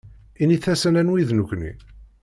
Init-asen anwi d nekni.